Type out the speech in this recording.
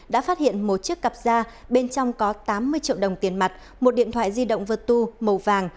đã phát hiện một chiếc cặp da bên trong có tám mươi triệu đồng tiền mặt một điện thoại di động vơtu màu vàng